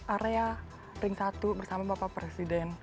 area ring satu bersama bapak presiden